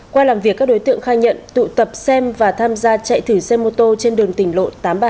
qua làm việc các đối tượng khai nhận tụ tập xem và tham gia chạy thử xe mô tô trên đường tỉnh lộ tám trăm ba mươi